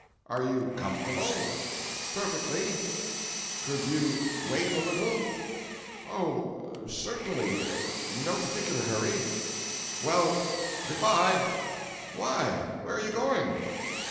"Are you comfortable?" "Perfectly." "Could you wait a little?" "Oh certainly—no particular hurry." "Well—good by." "Why? Where are you going?"